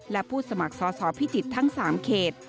และผู้สมัครสอสอพิจิตรทั้ง๓เขต